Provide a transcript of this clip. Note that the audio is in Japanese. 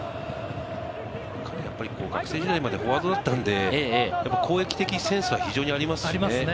彼はやっぱり学生時代までフォワードだったんで、攻撃的センスは非常にありますよね。